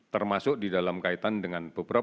termasuk di dalam kaitan dengan beberapa